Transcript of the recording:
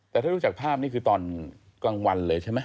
แต่ถ้าดูจากภาพนี่คือตอนกลางวันเลยใช่ไหม